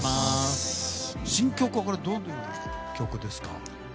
新曲はどういう曲ですか？